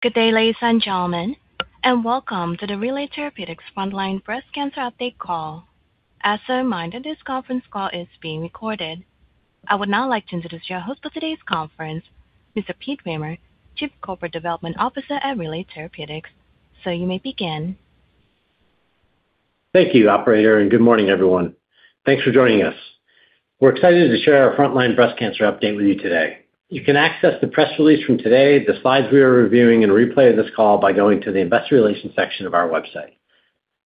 Good day, ladies and gentlemen, and welcome to the Relay Therapeutics frontline breast cancer update call. As a reminder, this conference call is being recorded. I would now like to introduce your host for today's conference, Mr. Pete Rahmer, Chief Corporate Development Officer at Relay Therapeutics. Sir, you may begin. Thank you, operator, and good morning, everyone. Thanks for joining us. We're excited to share our frontline breast cancer update with you today. You can access the press release from today, the slides we are reviewing, and a replay of this call by going to the investor relations section of our website.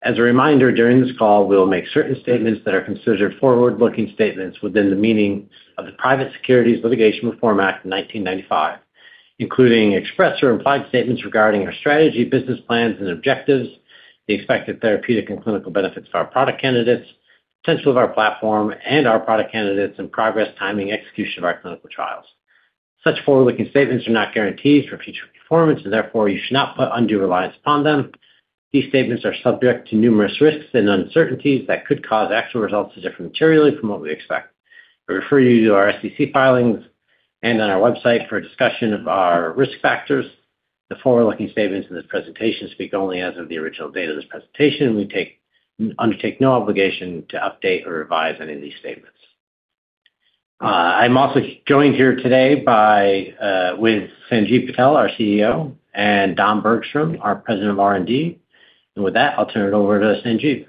As a reminder, during this call, we will make certain statements that are considered forward-looking statements within the meaning of the Private Securities Litigation Reform Act of 1995, including express or implied statements regarding our strategy, business plans and objectives, the expected therapeutic and clinical benefits of our product candidates, potential of our platform and our product candidates and progress timing, execution of our clinical trials. Such forward-looking statements are not guarantees for future performance, and therefore you should not put undue reliance upon them. These statements are subject to numerous risks and uncertainties that could cause actual results to differ materially from what we expect. We refer you to our SEC filings and on our website for a discussion of our risk factors. The forward-looking statements in this presentation speak only as of the original date of this presentation, and we undertake no obligation to update or revise any of these statements. I'm also joined here today by Sanjiv Patel, our CEO, and Don Bergstrom, our President of R&D. With that, I'll turn it over to Sanjiv.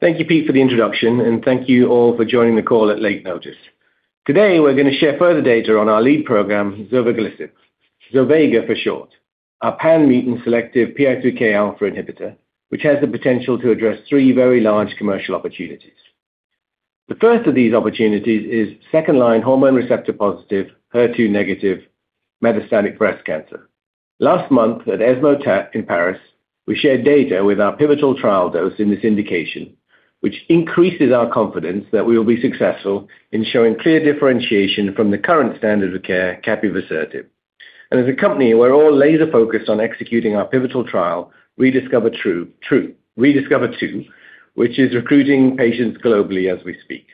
Thank you, Pete, for the introduction, and thank you all for joining the call at late notice. Today, we're going to share further data on our lead program, zovegalisib, zovega for short. A pan-mutant selective PI3Kα inhibitor, which has the potential to address three very large commercial opportunities. The first of these opportunities is second-line hormone receptor-positive, HER2-negative, metastatic breast cancer. Last month at ESMO TAT in Paris, we shared data from our pivotal trial dosed in this indication, which increases our confidence that we will be successful in showing clear differentiation from the current standard of care, capivasertib. As a company, we're all laser-focused on executing our pivotal trial, ReDiscover-2, which is recruiting patients globally as we speak.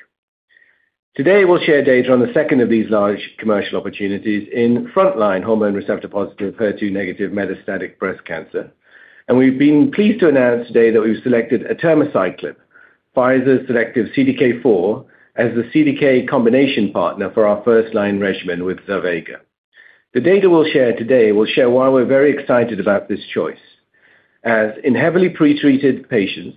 Today, we'll share data on the second of these large commercial opportunities in frontline hormone receptor-positive, HER2-negative metastatic breast cancer. We've been pleased to announce today that we've selected atirmociclib, Pfizer's selective CDK4, as the CDK combination partner for our first-line regimen with zovegalisib. The data we'll share today will show why we're very excited about this choice. As in heavily pretreated patients,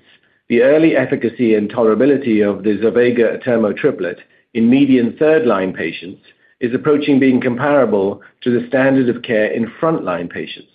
the early efficacy and tolerability of the zovegalisib/atirmociclib triplet in median third-line patients is approaching being comparable to the standard of care in frontline patients.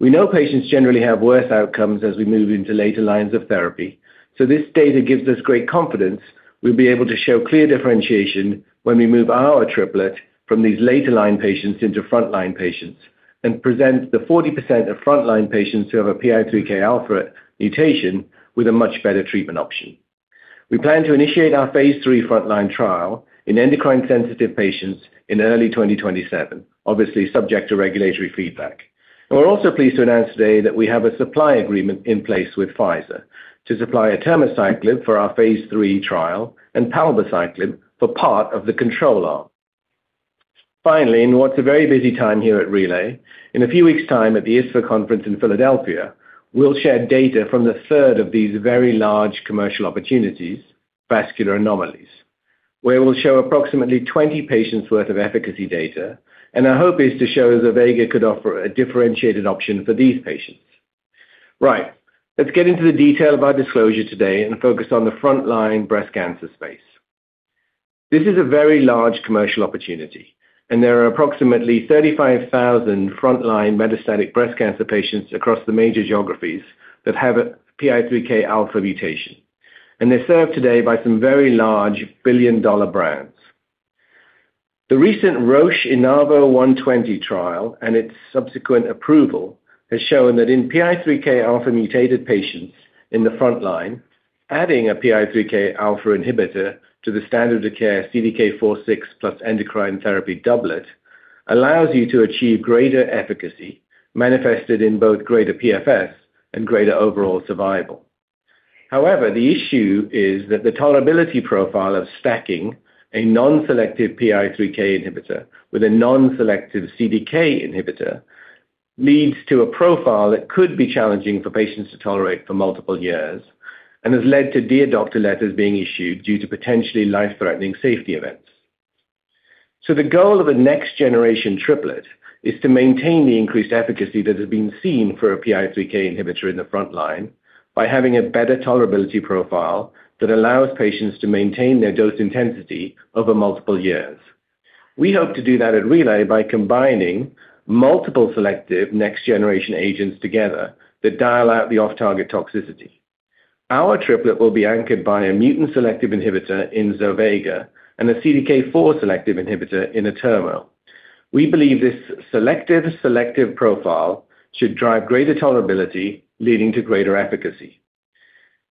We know patients generally have worse outcomes as we move into later lines of therapy. This data gives us great confidence we'll be able to show clear differentiation when we move our triplet from these later-line patients into frontline patients and present the 40% of frontline patients who have a PI3Kα mutation with a much better treatment option. We plan to initiate our phase III frontline trial in endocrine-sensitive patients in early 2027, obviously subject to regulatory feedback. We're also pleased to announce today that we have a supply agreement in place with Pfizer to supply atirmociclib for our phase III trial and palbociclib for part of the control arm. Finally, in what's a very busy time here at Relay, in a few weeks' time at the ISSVA conference in Philadelphia, we'll share data from the third of these very large commercial opportunities, vascular anomalies, where we'll show approximately 20 patients' worth of efficacy data. Our hope is to show zovegalisib could offer a differentiated option for these patients. Right. Let's get into the detail of our disclosure today and focus on the frontline breast cancer space. This is a very large commercial opportunity, and there are approximately 35,000 frontline metastatic breast cancer patients across the major geographies that have a PI3Kα mutation. They're served today by some very large billion-dollar brands. The recent Roche INAVO120 trial and its subsequent approval has shown that in PPI3Kα-mutated patients in the frontline, adding a PI3Kα inhibitor to the standard of care CDK4/6 plus endocrine therapy doublet allows you to achieve greater efficacy manifested in both greater PFS and greater overall survival. However, the issue is that the tolerability profile of stacking a non-selective PI3K inhibitor with a non-selective CDK inhibitor leads to a profile that could be challenging for patients to tolerate for multiple years and has led to Dear Doctor letters being issued due to potentially life-threatening safety events. The goal of a next-generation triplet is to maintain the increased efficacy that has been seen for a PI3K inhibitor in the frontline by having a better tolerability profile that allows patients to maintain their dose intensity over multiple years. We hope to do that at Relay by combining multiple selective next-generation agents together that dial out the off-target toxicity. Our triplet will be anchored by a mutant-selective inhibitor of zovegalisib and a CDK4-selective inhibitor of atirmo. We believe this selective profile should drive greater tolerability, leading to greater efficacy.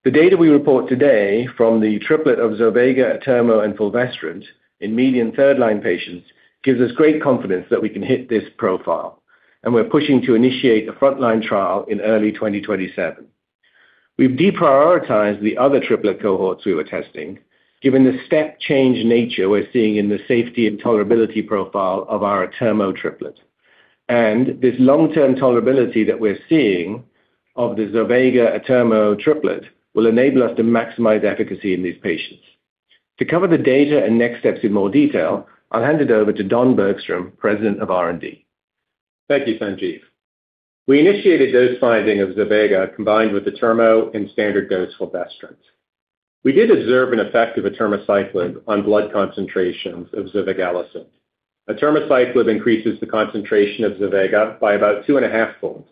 The data we report today from the triplet of zovegalisib, atirmociclib, and fulvestrant in median third-line patients gives us great confidence that we can hit this profile, and we're pushing to initiate a frontline trial in early 2027. We've deprioritized the other triplet cohorts we were testing given the step change nature we're seeing in the safety and tolerability profile of our atirmociclib triplet. This long-term tolerability that we're seeing of the zovegalisib-atirmociclib triplet will enable us to maximize efficacy in these patients. To cover the data and next steps in more detail, I'll hand it over to Don Bergstrom, President of R&D. Thank you, Sanjiv. We initiated dose finding of zovegalisib combined with atirmociclib and standard dose fulvestrant. We did observe an effect of atirmociclib on blood concentrations of zovegalisib. Atirmociclib increases the concentration of zovegalisib by about two and half-fold.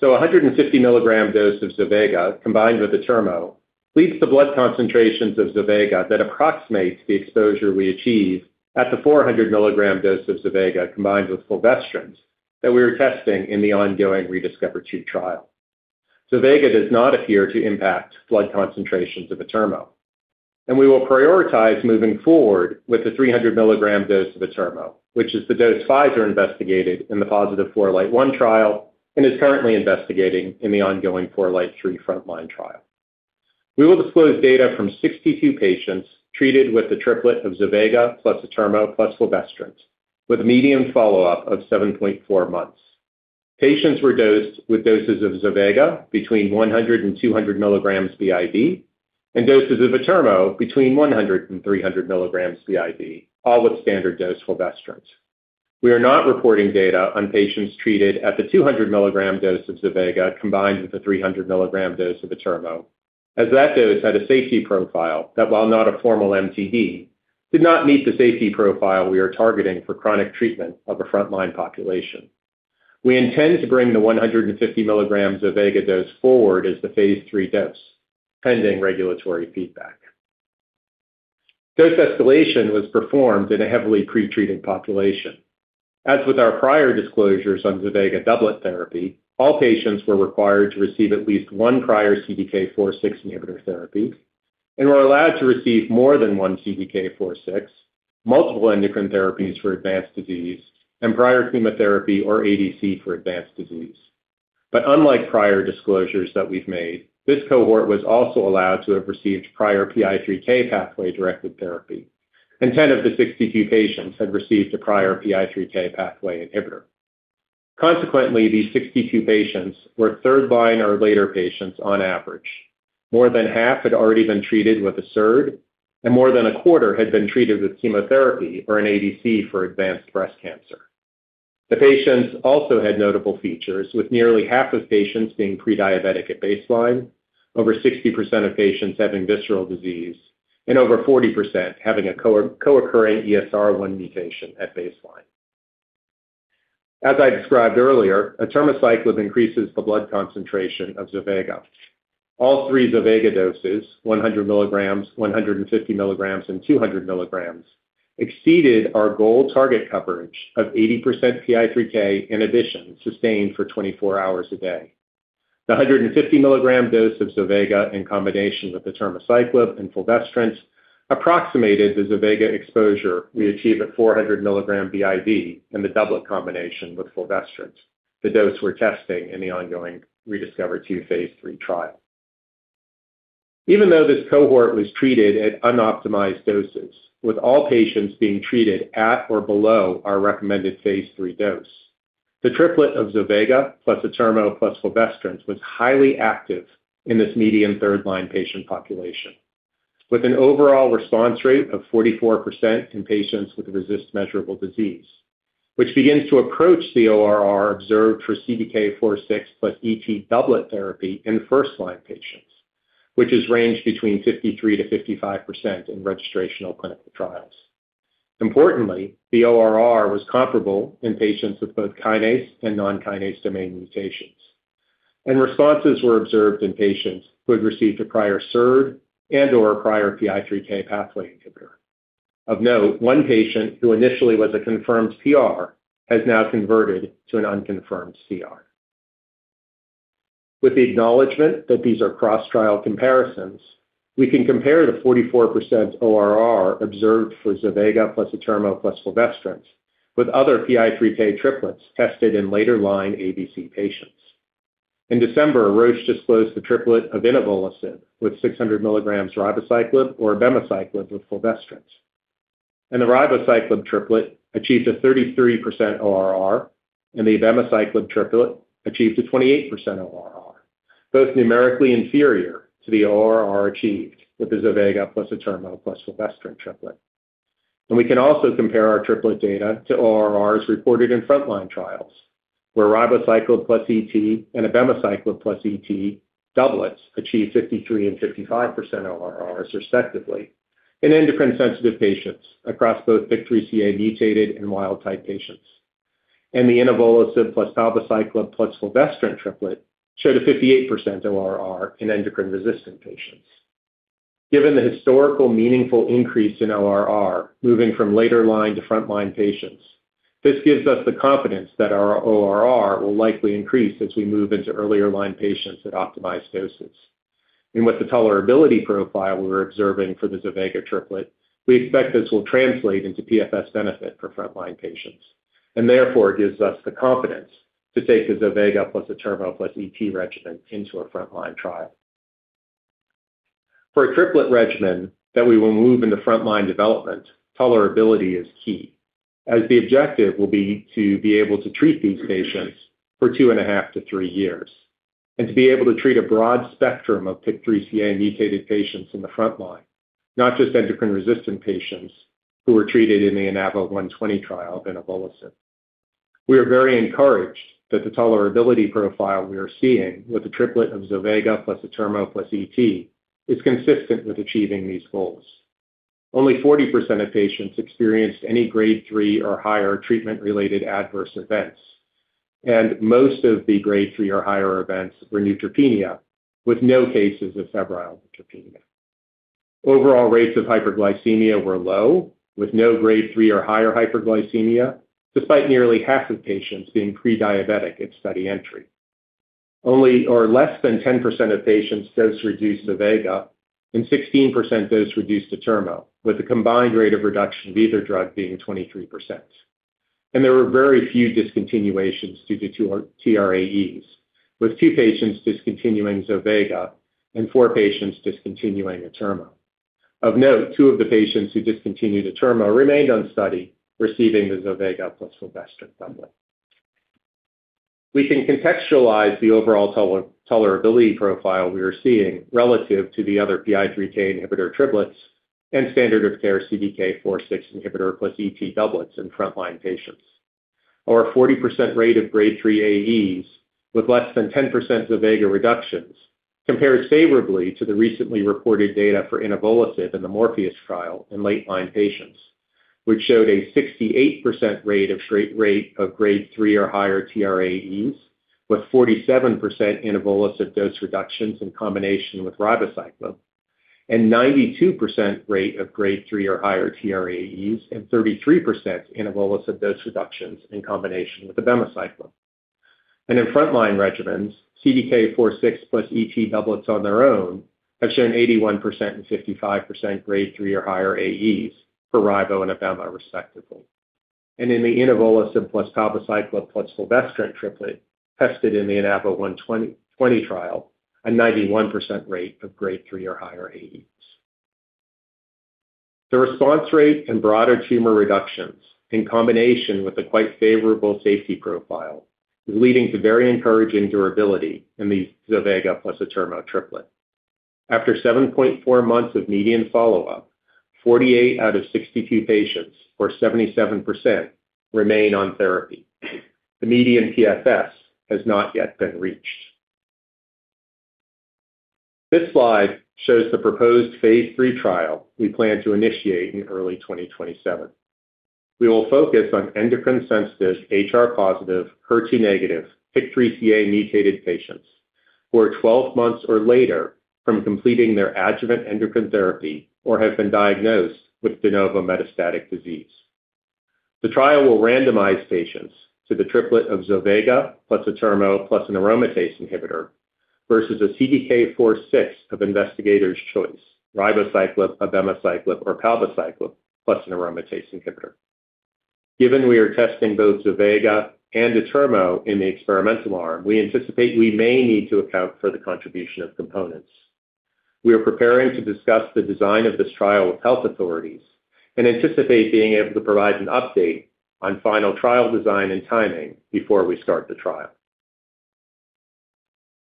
A 150 mg dose of zovegalisib combined with atirmociclib leads to blood concentrations of zovegalisib that approximates the exposure we achieve at the 400-mg dose of zovegalisib combined with fulvestrant that we were testing in the ongoing ReDiscover-2 trial. Zovegalisib does not appear to impact blood concentrations of atirmociclib. We will prioritize moving forward with the 300 mg dose of atirmociclib, which is the dose Pfizer investigated in the positive FOURLIGHT-1 trial and is currently investigating in the ongoing FOURLIGHT-3 frontline trial. We will disclose data from 62 patients treated with the triplet of zovegalisib plus atirmociclib plus fulvestrant with a median follow-up of 7.4 months. Patients were dosed with doses of zovegalisib between 100 mg and 200 mg BID and doses of atirmociclib between 100 mg and 300 mg BID, all with standard dose fulvestrant. We are not reporting data on patients treated at the 200 mg dose of zovegalisib combined with the 300 mg dose of atirmociclib, as that dose had a safety profile that, while not a formal MTD, did not meet the safety profile we are targeting for chronic treatment of a frontline population. We intend to bring the 150 mg zovegalisib dose forward as the phase III dose, pending regulatory feedback. Dose escalation was performed in a heavily pre-treated population. As with our prior disclosures on zovegalisib doublet therapy, all patients were required to receive at least one prior CDK4/6 inhibitor therapy and were allowed to receive more than one CDK4/6, multiple endocrine therapies for advanced disease, and prior chemotherapy or ADC for advanced disease. Unlike prior disclosures that we've made, this cohort was also allowed to have received prior PI3K pathway-directed therapy, and 10 of the 62 patients had received a prior PI3K pathway inhibitor. Consequently, these 62 patients were third-line or later patients on average. More than half had already been treated with a SERD, and more than a quarter had been treated with chemotherapy or an ADC for advanced breast cancer. The patients also had notable features, with nearly half of patients being pre-diabetic at baseline, over 60% of patients having visceral disease, and over 40% having a co-occurring ESR1 mutation at baseline. As I described earlier, atirmociclib increases the blood concentration of zovegalisib. All three zovegalisib doses, 100 mg, 150 mg, and 200 mg, exceeded our goal target coverage of 80% PI3K inhibition sustained for 24 hours a day. The 150 mg dose of zovegalisib in combination with atirmociclib and fulvestrant approximated the zovegalisib exposure we achieve at 400 mg BID in the doublet combination with fulvestrant, the dose we're testing in the ongoing ReDiscover-2 phase III trial. Even though this cohort was treated at unoptimized doses, with all patients being treated at or below our recommended phase III dose, the triplet of zovegalisib plus atirmociclib plus fulvestrant was highly active in this median third-line patient population, with an overall response rate of 44% in patients with RECIST-measurable disease, which begins to approach the ORR observed for CDK4/6 plus ET doublet therapy in first-line patients, which ranges between 53%-55% in registrational clinical trials. Importantly, the ORR was comparable in patients with both kinase and non-kinase domain mutations, and responses were observed in patients who had received a prior SERD and/or a prior PI3K pathway inhibitor. Of note, one patient who initially was a confirmed PR has now converted to an unconfirmed CR. With the acknowledgement that these are cross-trial comparisons, we can compare the 44% ORR observed for zovegalisib plus atirmociclib plus fulvestrant with other PI3K triplets tested in later-line ABC patients. In December, Roche disclosed the triplet of inavolisib with 600 mg ribociclib or abemaciclib with fulvestrant, and the ribociclib triplet achieved a 33% ORR, and the abemaciclib triplet achieved a 28% ORR, both numerically inferior to the ORR achieved with the zovegalisib plus atirmociclib plus fulvestrant triplet. We can also compare our triplet data to ORRs reported in frontline trials, where ribociclib plus ET and abemaciclib plus ET doublets achieved 53% and 55% ORRs respectively in endocrine-sensitive patients across both PIK3CA-mutated and wild type patients. The inavolisib plus palbociclib plus fulvestrant triplet showed a 58% ORR in endocrine-resistant patients. Given the historical meaningful increase in ORR moving from later-line to frontline patients, this gives us the confidence that our ORR will likely increase as we move into earlier-line patients at optimized doses. With the tolerability profile we're observing for the zovegalisib triplet, we expect this will translate into PFS benefit for frontline patients. Therefore, it gives us the confidence to take the zovegalisib plus the atirmociclib plus ET regimen into a frontline trial. For a triplet regimen that we will move into frontline development, tolerability is key, as the objective will be to be able to treat these patients for two and a half to three years and to be able to treat a broad spectrum of PIK3CA-mutated patients in the frontline, not just endocrine-resistant patients who were treated in the INAVO120 trial, inavolisib. We are very encouraged that the tolerability profile we are seeing with the triplet of zovegalisib plus atirmociclib plus ET is consistent with achieving these goals. Only 40% of patients experienced any Grade 3 or higher treatment-related adverse events, and most of the Grade 3 or higher events were neutropenia, with no cases of febrile neutropenia. Overall rates of hyperglycemia were low, with no Grade 3 or higher hyperglycemia, despite nearly half of patients being pre-diabetic at study entry. Less than 10% of patients dose reduced zovegalisib and 16% dose reduced atirmociclib, with a combined rate of reduction of either drug being 23%. There were very few discontinuations due to TRAEs, with two patients discontinuing zovegalisib and four patients discontinuing atirmociclib. Of note, two of the patients who discontinued the triplet remained on study, receiving the zovegalisib plus fulvestrant doublet. We can contextualize the overall tolerability profile we are seeing relative to the other PI3K inhibitor triplets and standard of care CDK4/6 inhibitor plus ET doublets in frontline patients. Our 40% rate of Grade 3 AEs with less than 10% zovegalisib reductions compares favorably to the recently reported data for inavolisib in the MORPHEUS trial in late-line patients, which showed a 68% rate of Grade 3 or higher TRAEs, with 47% inavolisib dose reductions in combination with ribociclib, and 92% rate of Grade 3 or higher TRAEs, and 33% inavolisib dose reductions in combination with abemaciclib. In frontline regimens, CDK4/6 plus ET doublets on their own have shown 81% and 55% Grade 3 or higher AEs for ribociclib and abemaciclib respectively. In the inavolisib plus palbociclib plus fulvestrant triplet tested in the INAVO120 trial, a 91% rate of Grade 3 or higher AEs. The response rate and broader tumor reductions in combination with a quite favorable safety profile is leading to very encouraging durability in the zovegalisib plus the atirmociclib triplet. After 7.4 months of median follow-up, 48 out of 62 patients, or 77%, remain on therapy. The median PFS has not yet been reached. This slide shows the proposed phase III trial we plan to initiate in early 2027. We will focus on endocrine-sensitive, HR-positive, HER2-negative, PIK3CA-mutated patients who are 12 months or later from completing their adjuvant endocrine therapy or have been diagnosed with de novo metastatic disease. The trial will randomize patients to the triplet of zovegalisib plus atirmociclib plus an aromatase inhibitor versus a CDK4/6 inhibitor of investigator's choice, ribociclib, abemaciclib, or palbociclib plus an aromatase inhibitor. Given we are testing both zovegalisib and atirmociclib in the experimental arm, we anticipate we may need to account for the contribution of components. We are preparing to discuss the design of this trial with health authorities and anticipate being able to provide an update on final trial design and timing before we start the trial.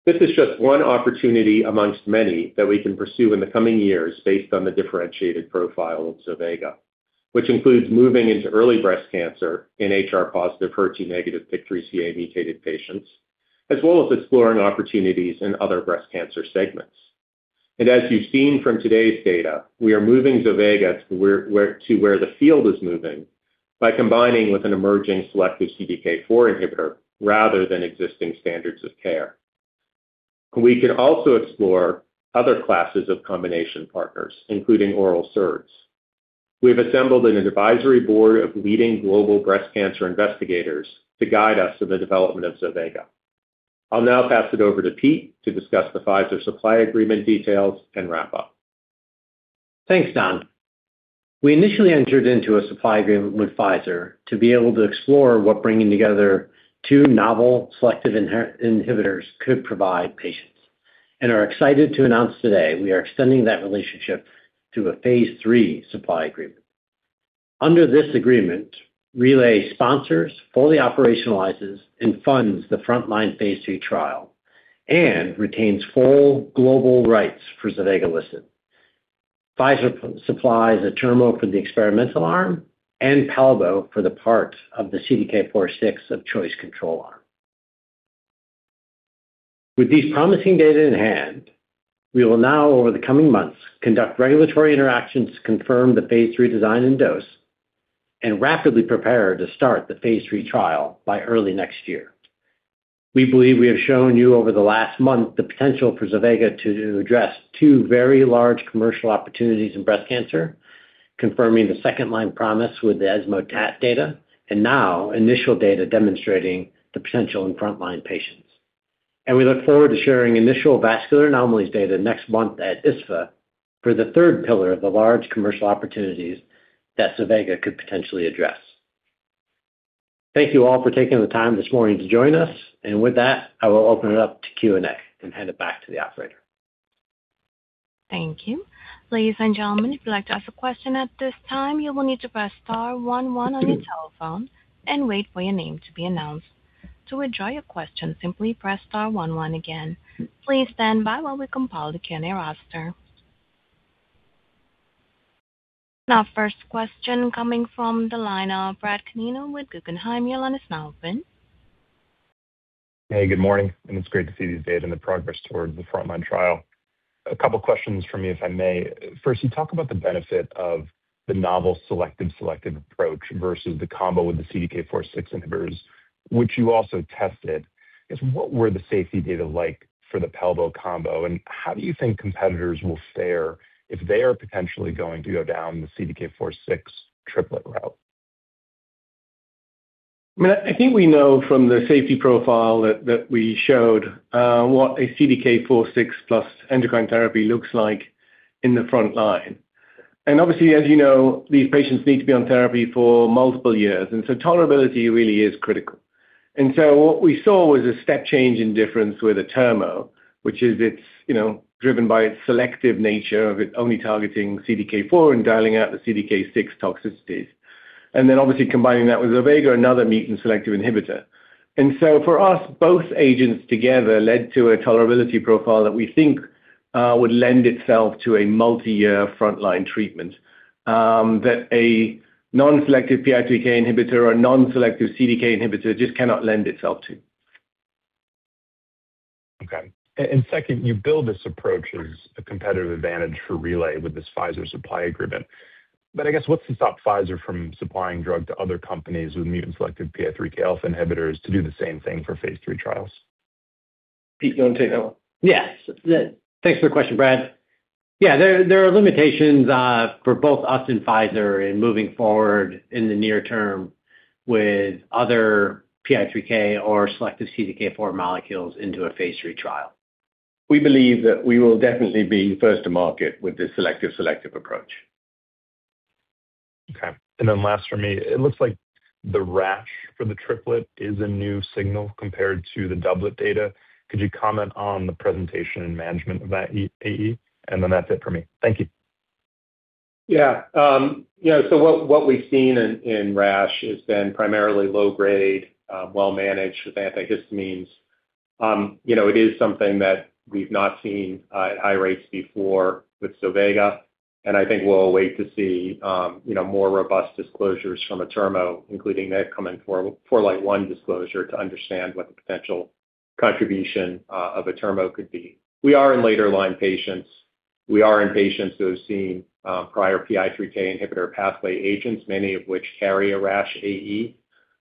This is just one opportunity among many that we can pursue in the coming years based on the differentiated profile of zovegalisib, which includes moving into early breast cancer in HR-positive, HER2-negative, PIK3CA-mutated patients, as well as exploring opportunities in other breast cancer segments. As you've seen from today's data, we are moving zovegalisib to where the field is moving by combining with an emerging selective CDK4 inhibitor rather than existing standards of care. We can also explore other classes of combination partners, including oral SERDs. We have assembled an advisory board of leading global breast cancer investigators to guide us through the development of zovegalisib. I'll now pass it over to Pete to discuss the Pfizer supply agreement details and wrap up. Thanks, Don. We initially entered into a supply agreement with Pfizer to be able to explore what bringing together two novel selective inhibitors could provide patients. We are excited to announce today we are extending that relationship to a phase III supply agreement. Under this agreement, Relay sponsors, fully operationalizes, and funds the frontline phase III trial and retains full global rights for zovegalisib. Pfizer supplies the atirmociclib for the experimental arm and palbociclib for the part of the CDK4/6 of choice control arm. With these promising data in hand, we will now over the coming months conduct regulatory interactions to confirm the phase III design and dose and rapidly prepare to start the phase III trial by early next year. We believe we have shown you over the last month the potential for zovegalisib to address two very large commercial opportunities in breast cancer, confirming the second-line promise with the ESMO TAT data and now initial data demonstrating the potential in front-line patients. We look forward to sharing initial vascular anomalies data next month at ISSVA for the third pillar of the large commercial opportunities that zovegalisib could potentially address. Thank you all for taking the time this morning to join us. With that, I will open it up to Q&A and hand it back to the operator. Thank you. Ladies and gentlemen, if you'd like to ask a question at this time, you will need to press star one one on your telephone and wait for your name to be announced. To withdraw your question, simply press star one one again. Please stand by while we compile the Q&A roster. Our first question coming from the line of Brad Canino with Guggenheim. Your line is now open. Hey, good morning, and it's great to see these data and the progress towards the frontline trial. A couple questions from me, if I may. First, you talk about the benefit of the novel selective approach versus the combo with the CDK4/6 inhibitors, which you also tested. I guess, what were the safety data like for the palbociclib combo, and how do you think competitors will fare if they are potentially going to go down the CDK4/6 triplet route? I mean, I think we know from the safety profile that we showed what a CDK4/6 plus endocrine therapy looks like in the front line. Obviously, as you know, these patients need to be on therapy for multiple years, and so tolerability really is critical. What we saw was a step change in difference with atirmociclib, which is, it's, you know, driven by its selective nature of it only targeting CDK4 and dialing out the CDK6 toxicities. Obviously combining that with zovegalisib, another mutant selective inhibitor. For us, both agents together led to a tolerability profile that we think would lend itself to a multi-year frontline treatment that a non-selective PI3K inhibitor or non-selective CDK inhibitor just cannot lend itself to. Okay. Second, you build this approach as a competitive advantage for Relay with this Pfizer supply agreement. I guess what's to stop Pfizer from supplying drug to other companies with mutant-selective PI3Kα inhibitors to do the same thing for phase III trials? Pete, do you want to take that one? Yes. Thanks for the question, Brad. Yeah, there are limitations for both us and Pfizer in moving forward in the near term with other PI3K or selective CDK4 molecules into a phase III trial. We believe that we will definitely be first to market with this selective approach. Okay. Last for me, it looks like the rash for the triplet is a new signal compared to the doublet data. Could you comment on the presentation and management of that AE? That's it for me. Thank you. Yeah. You know, so what we've seen in rash has been primarily low grade, well managed with antihistamines. You know, it is something that we've not seen at high rates before with zovegalisib, and I think we'll wait to see more robust disclosures from atirmociclib, including that coming for FOURLIGHT-1 disclosure to understand what the potential contribution of atirmociclib could be. We are in later line patients. We are in patients who have seen prior PI3K inhibitor pathway agents, many of which carry a rash AE.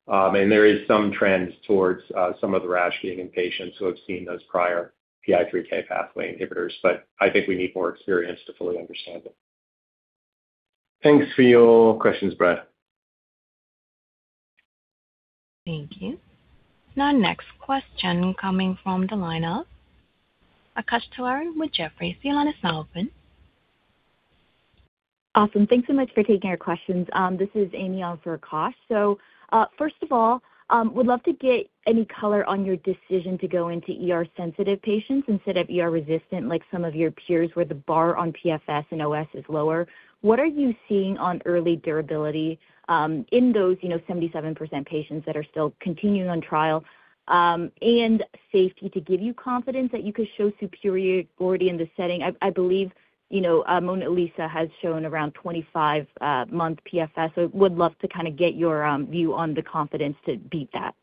And there is some trends towards some of the rash being in patients who have seen those prior PI3K pathway inhibitors, but I think we need more experience to fully understand it. Thanks for your questions, Brad. Thank you. Now, next question coming from the line of Akash Tewari with Jefferies. The line is now open. Awesome. Thanks so much for taking our questions. This is Amy on for Akash. First of all, would love to get any color on your decision to go into ER-sensitive patients instead of ER-resistant like some of your peers, where the bar on PFS and OS is lower. What are you seeing on early durability in those, you know, 77% patients that are still continuing on trial, and safety to give you confidence that you could show superiority in the setting? I believe, you know, MONALEESA has shown around 25-month PFS. Would love to kinda get your view on the confidence to beat that.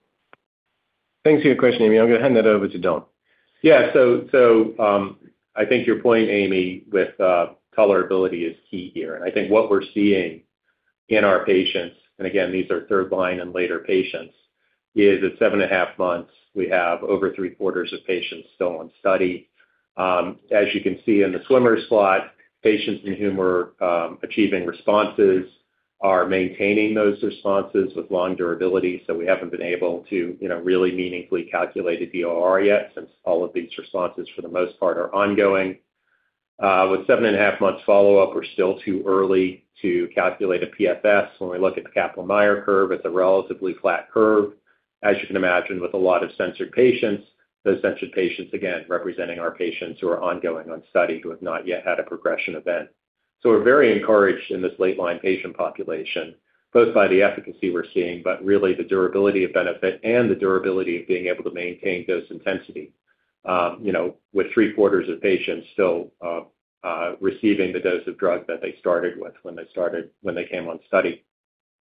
Thanks for your question, Amy. I'm gonna hand that over to Don. Yeah. I think your point, Amy, with tolerability is key here. I think what we're seeing in our patients, and again, these are third-line and later patients, is at 7.5 months, we have over three-quarters of patients still on study. As you can see in the swimmer's plot, patients in whom we're achieving responses are maintaining those responses with long durability. We haven't been able to, you know, really meaningfully calculate a DOR yet, since all of these responses for the most part are ongoing. With 7.5 months follow-up, we're still too early to calculate a PFS. When we look at the Kaplan-Meier curve, it's a relatively flat curve. As you can imagine with a lot of censored patients, those censored patients, again, representing our patients who are ongoing on study, who have not yet had a progression event. We're very encouraged in this late line patient population, both by the efficacy we're seeing, but really the durability of benefit and the durability of being able to maintain dose intensity, you know, with three-quarters of patients still receiving the dose of drug that they started with when they came on study.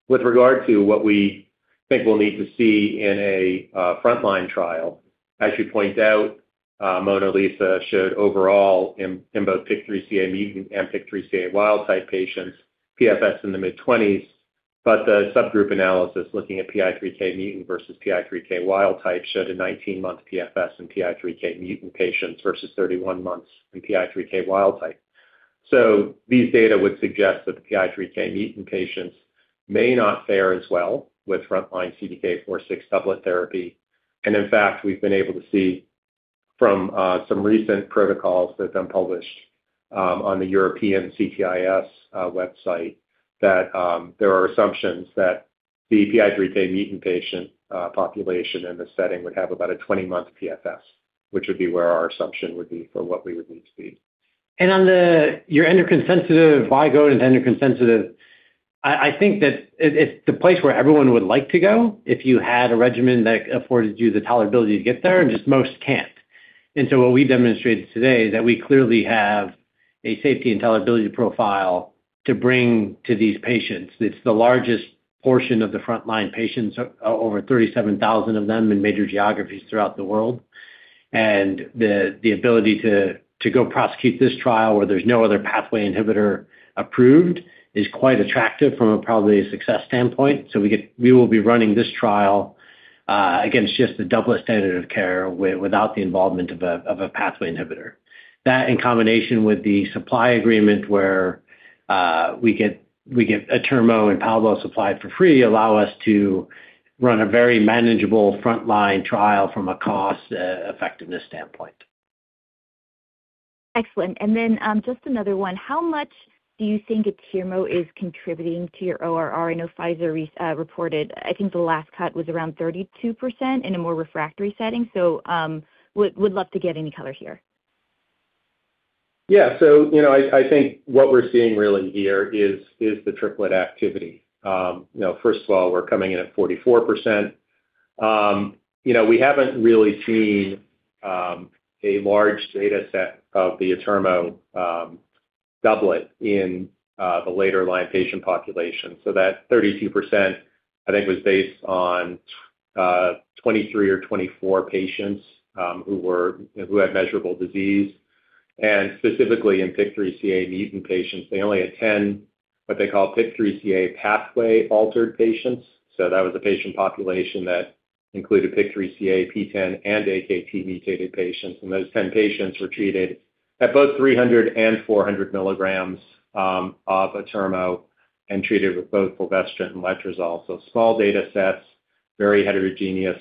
With regard to what we think we'll need to see in a frontline trial, as you point out, MONALEESA showed overall in both PIK3CA mutant and PIK3CA wild type patients, PFS in the mid-20s, but the subgroup analysis looking at PI3K mutant versus PI3K wild type showed a 19-month PFS in PI3K mutant patients versus 31 months in PI3K wild type. These data would suggest that the PI3K mutant patients may not fare as well with frontline CDK4/6 doublet therapy. In fact, we've been able to see from some recent protocols that have been published on the European CTIS website that there are assumptions that the PI3K mutant patient population in the setting would have about a 20-month PFS, which would be where our assumption would be for what we would need to be. On your endocrine-sensitive, why go to endocrine-sensitive? I think that it's the place where everyone would like to go if you had a regimen that afforded you the tolerability to get there, and just most can't. What we demonstrated today is that we clearly have a safety and tolerability profile to bring to these patients. It's the largest portion of the frontline patients, over 37,000 of them in major geographies throughout the world. The ability to go prosecute this trial where there's no other pathway inhibitor approved is quite attractive from a probably a success standpoint. We will be running this trial against just the doublet standard of care without the involvement of a pathway inhibitor. That in combination with the supply agreement where we get atirmociclib and palbociclib supplied for free allow us to run a very manageable frontline trial from a cost effectiveness standpoint. Excellent. Just another one. How much do you think atirmociclib is contributing to your ORR? I know Pfizer reported, I think the last cut was around 32% in a more refractory setting. Would love to get any color here. Yeah. You know, I think what we're seeing really here is the triplet activity. You know, first of all, we're coming in at 44%. You know, we haven't really seen a large dataset of the atirmociclib doublet in the later-line patient population. That 32% I think was based on 23 or 24 patients who had measurable disease. Specifically in PI3KCA-mutant patients, they only had 10, what they call PI3KCA pathway-altered patients. That was a patient population that included PI3KCA, PTEN, and AKT-mutated patients. Those 10 patients were treated at both 300 mg and 400 mg of atirmociclib and treated with both fulvestrant and letrozole. Small datasets, very heterogeneous.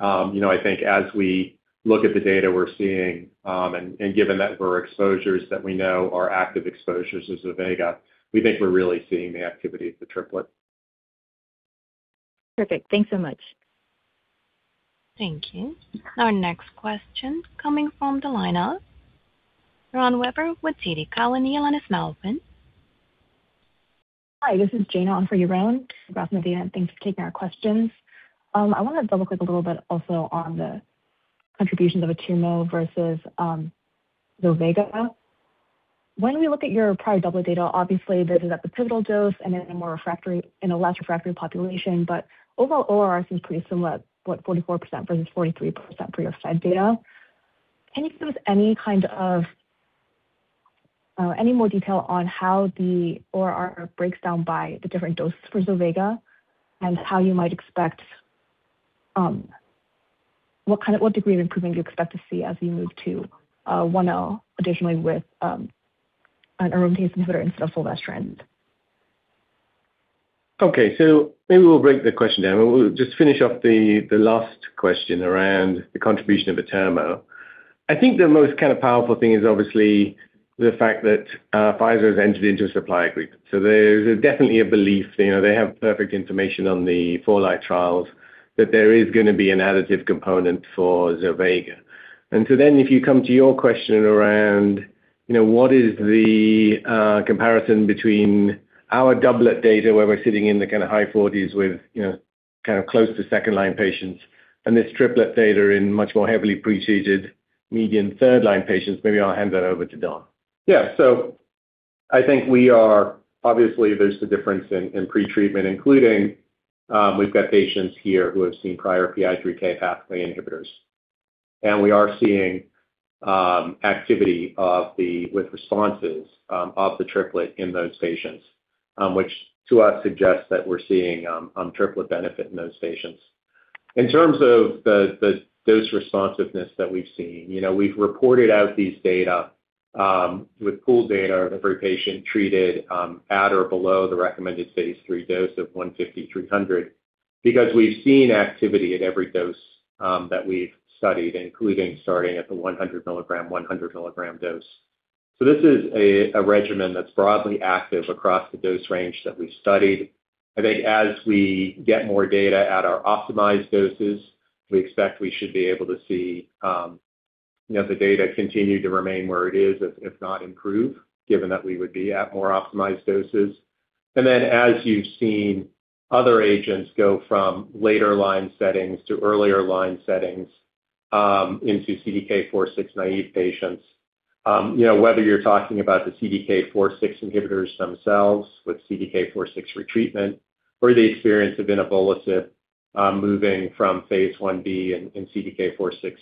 You know, I think as we look at the data we're seeing, and given that for exposures that we know are active exposures as zovegalisib, we think we're really seeing the activity of the triplet. Perfect. Thanks so much. Thank you. Our next question coming from the line of Yaron Werber with TD Cowen. Your line is now open. Hi, this is Jane on for Yaron. [Congrats], thanks for taking our questions. I wanted to look a little bit also on the contributions of atirmociclib versus zovegalisib. When we look at your prior doublet data, obviously this is at the pivotal dose and in a less refractory population, but overall ORR seems pretty similar at 44% versus 43% for your slide data. Can you give us any kind of any more detail on how the ORR breaks down by the different doses for zovegalisib and how you might expect what degree of improvement you expect to see as we move to 1L additionally with an aromatase inhibitor instead of fulvestrant? Okay. Maybe we'll break the question down. We'll just finish off the last question around the contribution of atirmociclib. I think the most kind of powerful thing is obviously the fact that, Pfizer's entered into a supply agreement. There's definitely a belief, you know, they have perfect information on the fourth-line trials that there is gonna be an additive component for zovegalisib. If you come to your question around, you know, what is the, comparison between our doublet data, where we're sitting in the kinda high 40s with, you know, kind of close to second-line patients and this triplet data in much more heavily pre-treated median third-line patients, maybe I'll hand that over to Don. Yeah. I think we are obviously, there's the difference in pretreatment, including, we've got patients here who have seen prior PI3K pathway inhibitors. We are seeing activity of the triplet with responses of the triplet in those patients, which to us suggests that we're seeing triplet benefit in those patients. In terms of the dose responsiveness that we've seen, you know, we've reported out these data with pooled data of every patient treated at or below the recommended phase III dose of 150 mg, 300 mg, because we've seen activity at every dose that we've studied, including starting at the 100 mg, 100 mg dose. This is a regimen that's broadly active across the dose range that we studied. I think as we get more data at our optimized doses, we expect we should be able to see, you know, the data continue to remain where it is, if not improve, given that we would be at more optimized doses. Then as you've seen other agents go from later line settings to earlier line settings, into CDK4/6 naive patients, you know, whether you're talking about the CDK4/6 inhibitors themselves with CDK4/6 retreatment or the experience of inavolisib, moving from phase I-B in CDK4/6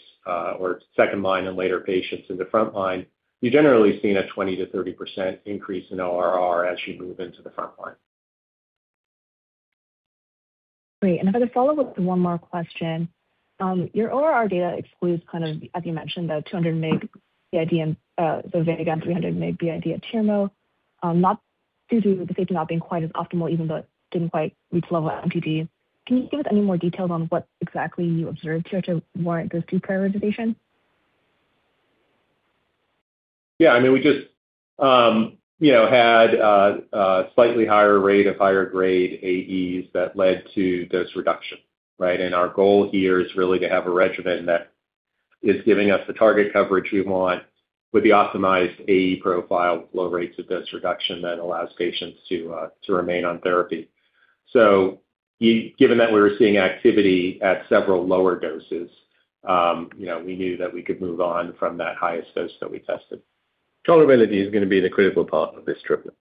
or second-line in later patients in the frontline, we've generally seen a 20%-30% increase in ORR as you move into the front line. Great. If I could follow up with one more question. Your ORR data excludes kind of, as you mentioned, the 200 mg BID and the zovegalisib and 300 mg BID at atirmociclib. Not due to the safety not being quite as optimal even though it didn't quite reach the level of MTD. Can you give us any more details on what exactly you observed here to warrant those deprioritizations? Yeah, I mean, we just had a slightly higher rate of higher-grade AEs that led to dose reduction, right? Our goal here is really to have a regimen that is giving us the target coverage we want with the optimized AE profile, low rates of dose reduction that allows patients to remain on therapy. Given that we were seeing activity at several lower doses, you know, we knew that we could move on from that highest dose that we tested. Tolerability is gonna be the critical part of this triplet.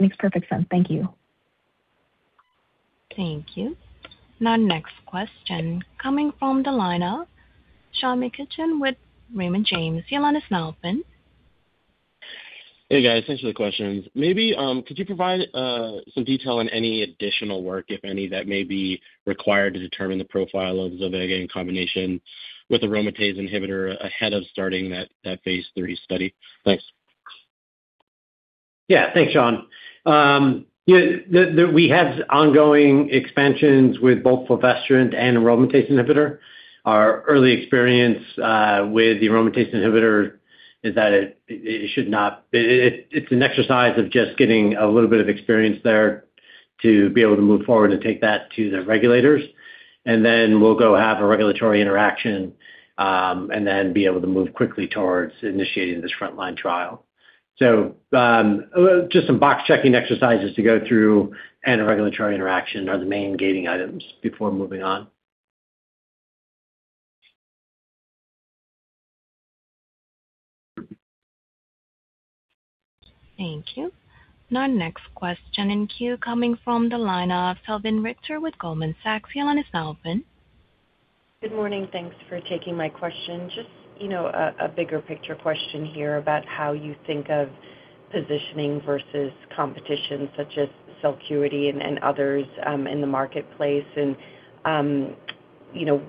Makes perfect sense. Thank you. Thank you. Our next question coming from the line of Sean McCutcheon with Raymond James. Your line is now open. Hey, guys. Thanks for the questions. Maybe could you provide some detail on any additional work, if any, that may be required to determine the profile of zovegalisib in combination with aromatase inhibitor ahead of starting that phase III study? Thanks. Yeah. Thanks, Sean. We have ongoing expansions with both fulvestrant and aromatase inhibitor. Our early experience with the aromatase inhibitor is that it's an exercise of just getting a little bit of experience there to be able to move forward and take that to the regulators. We'll go have a regulatory interaction and then be able to move quickly towards initiating this frontline trial. Just some box-checking exercises to go through and a regulatory interaction are the main gating items before moving on. Thank you. Our next question in queue coming from the line of Salveen Richter with Goldman Sachs. Your line is now open. Good morning. Thanks for taking my question. Just, you know, a bigger picture question here about how you think of positioning versus competition such as Celcuity and others, in the marketplace and, you know,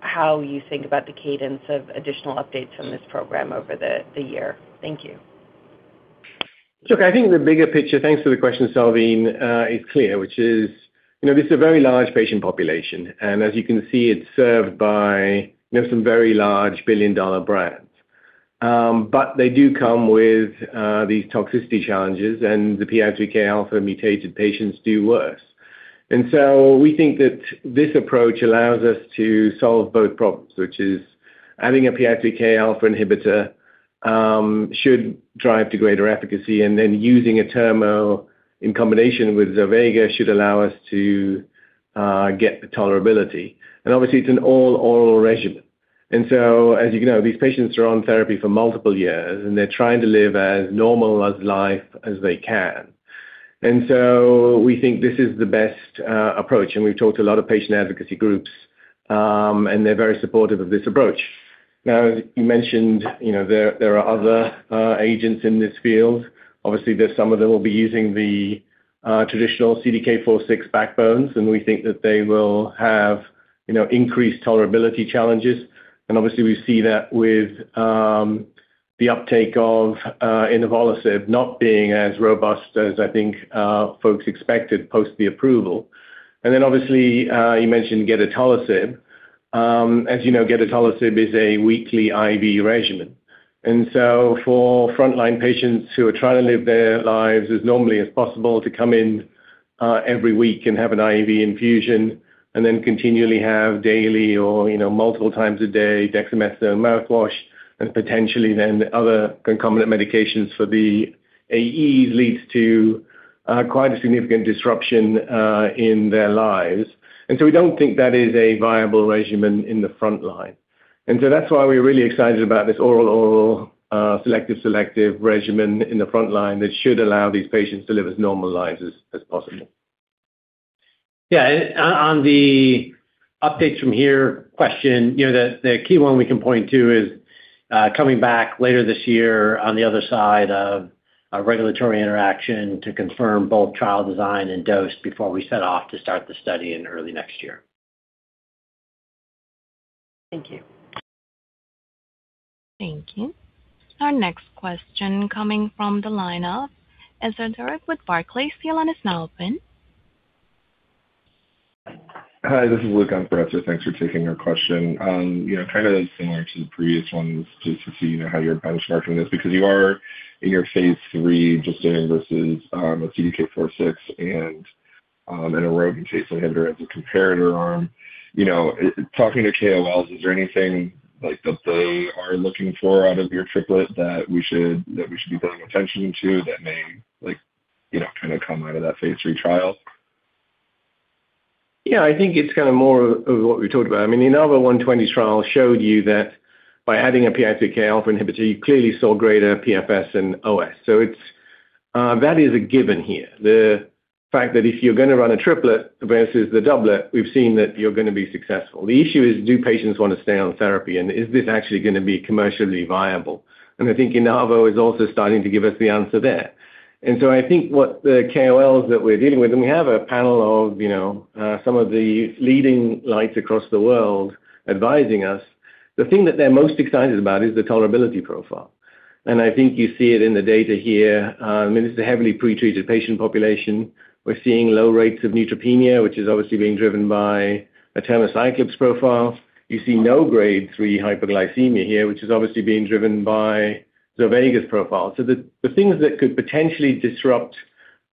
how you think about the cadence of additional updates on this program over the year. Thank you. Look, I think the bigger picture, thanks for the question, Salveen, is clear, which is, you know, this is a very large patient population, and as you can see, it's served by, you know, some very large billion-dollar brands. But they do come with these toxicity challenges, and the PI3Kα-mutated patients do worse. We think that this approach allows us to solve both problems, which is having a PI3Kα inhibitor should drive to greater efficacy, and then using atirmociclib in combination with zovegalisib should allow us to get the tolerability. Obviously it's an all-oral regimen. As you know, these patients are on therapy for multiple years, and they're trying to live as normal a life as they can. We think this is the best approach, and we've talked to a lot of patient advocacy groups, and they're very supportive of this approach. Now, as you mentioned, you know, there are other agents in this field. Obviously, there are some of them will be using the traditional CDK4/6 backbones, and we think that they will have, you know, increased tolerability challenges. Obviously we see that with the uptake of inavolisib not being as robust as I think folks expected post the approval. Then obviously you mentioned gedatolisib. As you know, gedatolisib is a weekly IV regimen. For frontline patients who are trying to live their lives as normally as possible to come in every week and have an IV infusion and then continually have daily or, you know, multiple times a day dexamethasone mouthwash and potentially then other concomitant medications for the AE leads to quite a significant disruption in their lives. We don't think that is a viable regimen in the front line. That's why we're really excited about this oral selective regimen in the front line that should allow these patients to live as normal lives as possible. Yeah. On the updates from here question, you know, the key one we can point to is coming back later this year on the other side of a regulatory interaction to confirm both trial design and dose before we set off to start the study in early next year. Thank you. Thank you. Our next question coming from the line of Etzer Darout with Barclays. Your line is now open. Hi, this is Luke on for Etzer. Thanks for taking our question. You know, kinda similar to the previous ones, just to see, you know, how you're benchmarking this because you are in your phase III just doing versus a CDK4/6 and an aromatase inhibitor as a comparator arm. You know, I'm talking to KOLs, is there anything like that they are looking for out of your triplet that we should be paying attention to that may like, you know, kinda come out of that phase III trial? Yeah, I think it's kinda more of what we talked about. I mean, INAVO120 trial showed you that by adding a PI3Kα inhibitor, you clearly saw greater PFS than OS. So it's that is a given here. The fact that if you're gonna run a triplet versus the doublet, we've seen that you're gonna be successful. The issue is, do patients wanna stay on therapy, and is this actually gonna be commercially viable? I think INAVO120 is also starting to give us the answer there. I think what the KOLs that we're dealing with, and we have a panel of, you know, some of the leading lights across the world advising us. The thing that they're most excited about is the tolerability profile. I think you see it in the data here. I mean, it's a heavily pre-treated patient population. We're seeing low rates of neutropenia, which is obviously being driven by atirmociclib's profile. You see no Grade 3 hyperglycemia here, which is obviously being driven by zovegalisib's profile. The things that could potentially disrupt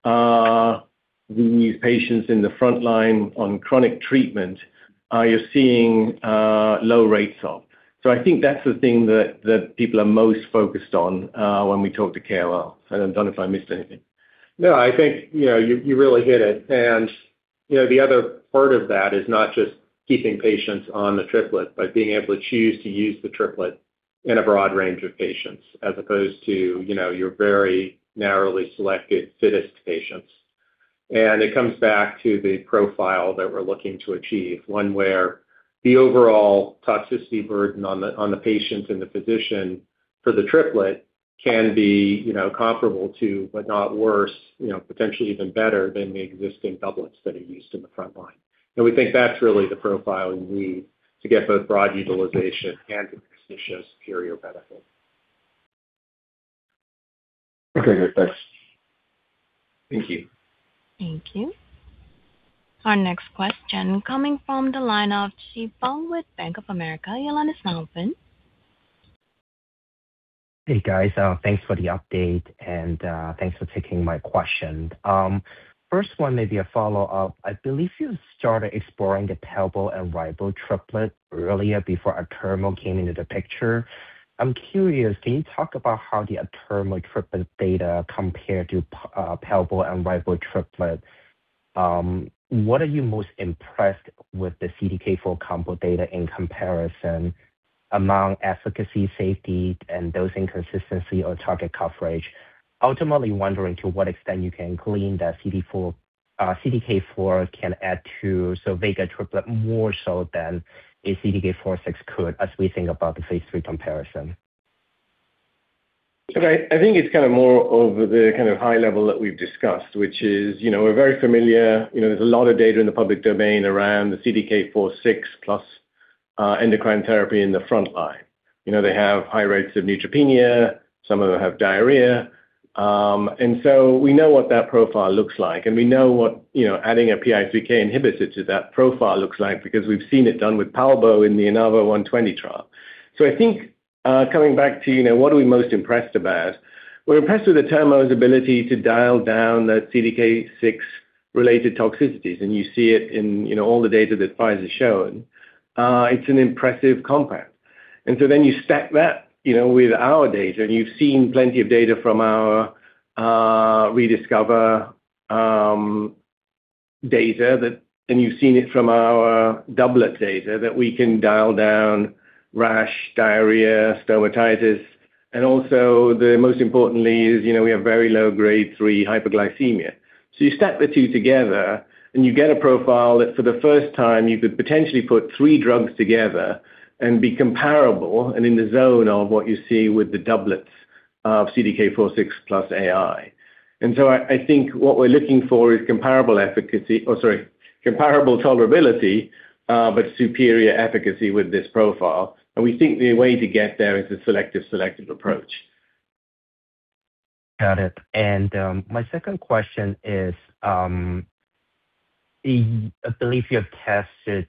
the patients in the front line on chronic treatment are. You're seeing low rates of. I think that's the thing that people are most focused on when we talk to KOL. I don't know if I missed anything. No, I think, you know, you really hit it. You know, the other part of that is not just keeping patients on the triplet, but being able to choose to use the triplet in a broad range of patients as opposed to, you know, your very narrowly selected fittest patients. It comes back to the profile that we're looking to achieve, one where the overall toxicity burden on the patient and the physician for the triplet can be, you know, comparable to, but not worse, you know, potentially even better than the existing doublets that are used in the front line. We think that's really the profile we need to get both broad utilization and the potential superior benefit. Okay. Good. Thanks. Thank you. Thank you. Our next question coming from the line of [Shipeng] with Bank of America. Your line is now open. Hey, guys, thanks for the update, and thanks for taking my question. First one may be a follow-up. I believe you started exploring the palbociclib and ribociclib triplet earlier before atirmociclib came into the picture. I'm curious, can you talk about how the atirmociclib triplet data compared to palbociclib and ribociclib triplet? What are you most impressed with the CDK4 combo data in comparison among efficacy, safety, and dosing consistency or target coverage? Ultimately wondering to what extent you can glean that CDK4 can add to zovegalisib triplet more so than a CDK4/6 could, as we think about the phase III comparison. Okay. I think it's kind of more over the kind of high level that we've discussed, which is, you know, we're very familiar. You know, there's a lot of data in the public domain around the CDK4/6 plus endocrine therapy in the front line. You know, they have high rates of neutropenia. Some of them have diarrhea. And so we know what that profile looks like, and we know what, you know, adding a PI3K inhibitor to that profile looks like because we've seen it done with palbociclib in the INAVO120 trial. I think, coming back to, you know, what are we most impressed about? We're impressed with the atirmociclib's ability to dial down the CDK6-related toxicities, and you see it in, you know, all the data that Pfizer's shown. It's an impressive compound. You stack that, you know, with our data, and you've seen plenty of data from our ReDiscover data, and you've seen it from our doublet data, that we can dial down rash, diarrhea, stomatitis. Also, most importantly, you know, we have very low Grade 3 hyperglycemia. You stack the two together and you get a profile that for the first time, you could potentially put three drugs together and be comparable and in the zone of what you see with the doublets of CDK4/6 plus AI. I think what we're looking for is comparable efficacy. Oh, sorry, comparable tolerability, but superior efficacy with this profile. We think the way to get there is a selective approach. Got it. My second question is, I believe you have tested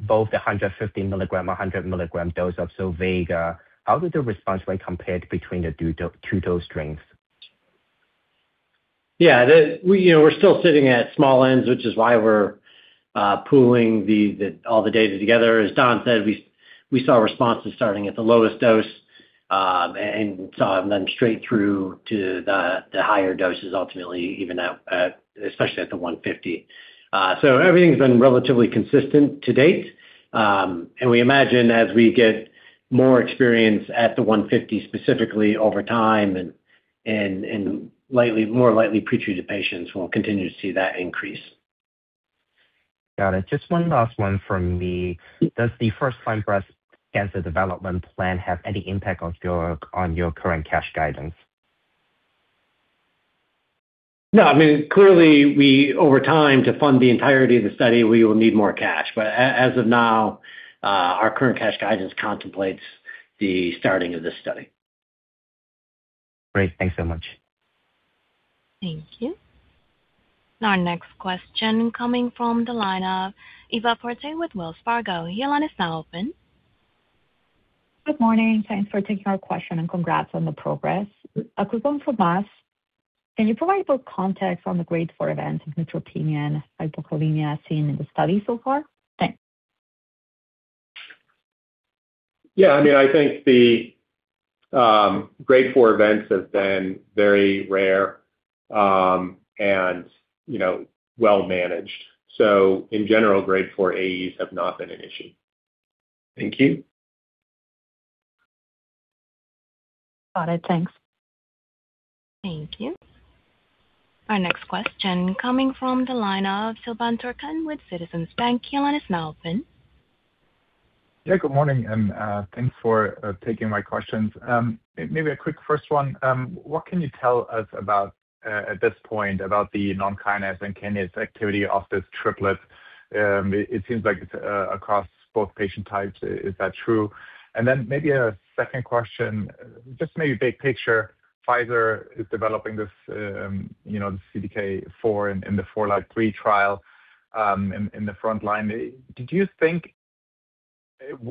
both the 150-mg, a 100-mg dose of zovegalisib. How did the response rate compare between the two dose strengths? We, you know, we're still sitting at small n's, which is why we're pooling all the data together. As Don said, we saw responses starting at the lowest dose, and saw them straight through to the higher doses, ultimately, even at, especially at the 150 mg. So everything's been relatively consistent to date. And we imagine as we get more experience at the 150, specifically over time and more lightly pre-treated patients will continue to see that increase. Got it. Just one last one from me. Does the first-line breast cancer development plan have any impact on your current cash guidance? No. I mean, clearly, over time, to fund the entirety of the study, we will need more cash. As of now, our current cash guidance contemplates the starting of this study. Great. Thanks so much. Thank you. Our next question coming from the line of Eva Fortea with Wells Fargo. Your line is now open. Good morning. Thanks for taking our question, and congrats on the progress. A quick one from us. Can you provide more context on the Grade 4 events of neutropenia and hypokalemia seen in the study so far? Thanks. Yeah. I mean, I think the Grade 4 events have been very rare, and, you know, well managed. In general, Grade 4 AEs have not been an issue. Thank you. Got it. Thanks. Thank you. Our next question coming from the line of Silvan Tuerkcan with Citizens JMP. Your line is now open. Yeah, good morning, and thanks for taking my questions. Maybe a quick first one. What can you tell us about at this point about the non-kinase and kinase activity of this triplet? It seems like it's across both patient types. Is that true? Then maybe a second question, just maybe big picture. Pfizer is developing this CDK4 inhibitor for the frontline.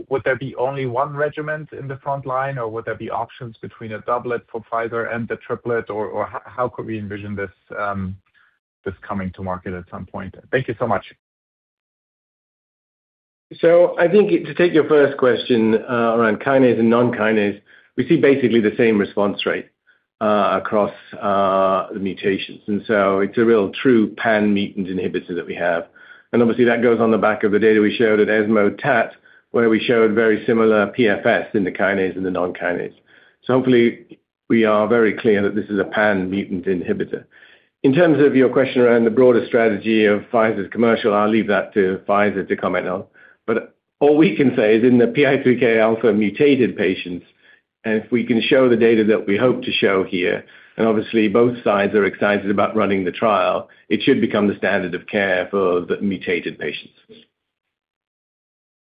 Would there be only one regimen in the frontline, or would there be options between a doublet for Pfizer and the triplet, or how could we envision this coming to market at some point? Thank you so much. I think to take your first question, around kinase and non-kinase, we see basically the same response rate across the mutations. It's a real true pan mutant inhibitor that we have. Obviously that goes on the back of the data we showed at ESMO TAT, where we showed very similar PFS in the kinase and the non-kinase. Hopefully we are very clear that this is a pan mutant inhibitor. In terms of your question around the broader strategy of Pfizer's commercial, I'll leave that to Pfizer to comment on. All we can say is in the PI3Kα-mutated patients, and if we can show the data that we hope to show here, and obviously both sides are excited about running the trial, it should become the standard of care for the mutated patients.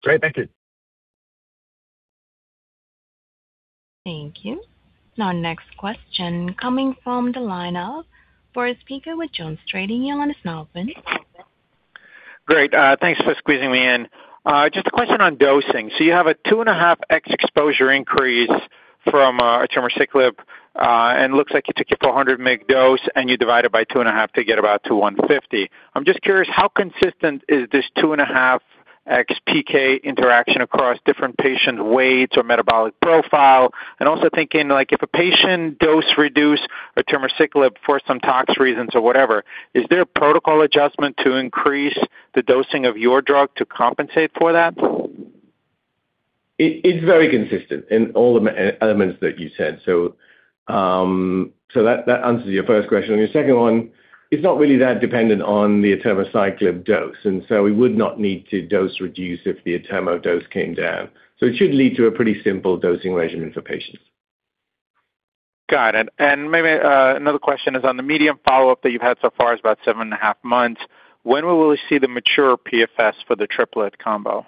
Great. Thank you. Thank you. Now next question coming from the line of Boris Peaker with JonesTrading. You want to start, please. Great. Thanks for squeezing me in. Just a question on dosing. You have a 2.5x exposure increase from atirmociclib, and looks like you took your 400 mg dose and you divide it by 2.5 to get about 250 mg. I'm just curious how consistent is this 2.5x PK interaction across different patient weights or metabolic profile? And also thinking like if a patient dose reduce atirmociclib for some tox reasons or whatever, is there a protocol adjustment to increase the dosing of your drug to compensate for that? It's very consistent in all elements that you said. That answers your first question. On your second one, it's not really that dependent on the atirmociclib dose, and so we would not need to dose reduce if the atirmociclib dose came down. It should lead to a pretty simple dosing regimen for patients. Got it. Maybe another question is on the median follow-up that you've had so far is about seven and a half months. When will we see the mature PFS for the triplet combo?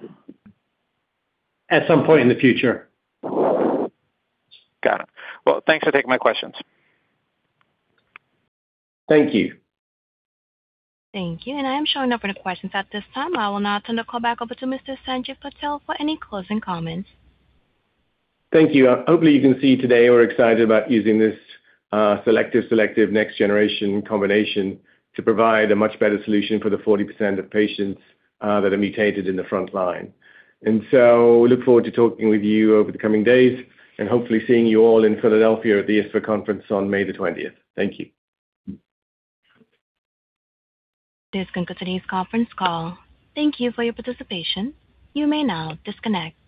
At some point in the future. Got it. Well, thanks for taking my questions. Thank you. Thank you. I'm showing no further questions at this time. I will now turn the call back over to Mr. Sanjiv Patel for any closing comments. Thank you. Hopefully, you can see today we're excited about using this selective next-generation combination to provide a much better solution for the 40% of patients that are mutated in the front line. Look forward to talking with you over the coming days and hopefully seeing you all in Philadelphia at the ISSVA conference on May the 20th. Thank you. This concludes today's conference call. Thank you for your participation. You may now disconnect.